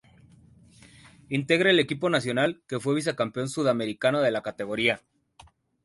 Integra el equipo Nacional, que fue Vice Campeón Sud Americano de la categoría.